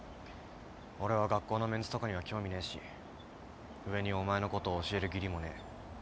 俺は学校のメンツとかには興味ねえし上にお前のことを教える義理もねえ。